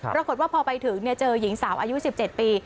ปรากฏว่าพอไปถึงเจอหญิงสาวอายุ๑๗ปี